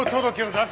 出せ！